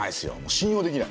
信用できない。